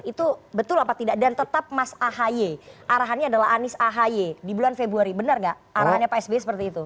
itu betul apa tidak dan tetap mas ahy arahannya adalah anies ahy di bulan februari benar nggak arahannya pak sby seperti itu